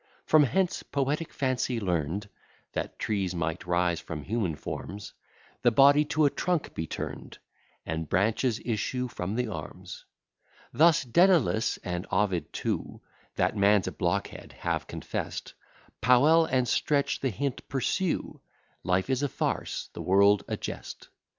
From hence poetic fancy learn'd That trees might rise from human forms; The body to a trunk be turn'd, And branches issue from the arms. Thus Dædalus and Ovid too, That man's a blockhead, have confest: Powel and Stretch the hint pursue; Life is a farce, the world a jest.